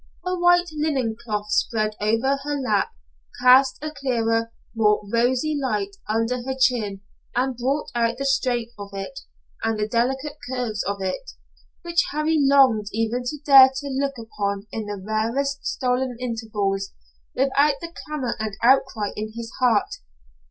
A white linen cloth spread over her lap cast a clearer, more rosy light under her chin and brought out the strength of it and the delicate curves of it, which Harry longed even to dare to look upon in the rarest stolen intervals, without the clamor and outcry in his heart.